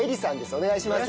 お願いします。